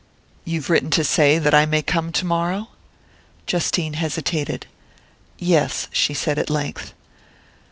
"You've written to say that I may come tomorrow?" Justine hesitated. "Yes," she said at length.